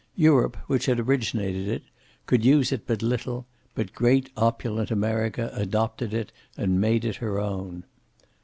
Europe, which had originated it, could use it but little; but great opulent America adopted it and made it her own.